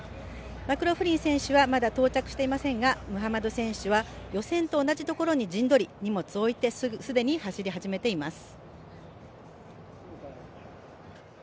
マクローフリン選手はまだ到着していませんがムハマド選手は予選と同じところに陣取り荷物を置いて既に走り始めています。